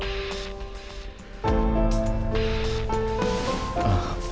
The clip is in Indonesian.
jepon aja bapak